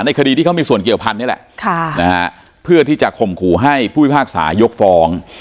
คดีที่เขามีส่วนเกี่ยวพันธุ์นี่แหละเพื่อที่จะข่มขู่ให้ผู้พิพากษายกฟ้อง